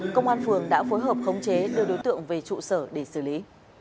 công an phường đã phối hợp khống chế đưa đối tượng về trụ sở để xử lý